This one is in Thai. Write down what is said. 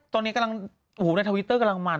ตอนนี้กำลังในทวิตเตอร์กำลังมัน